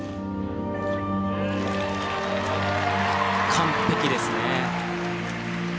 完璧ですね。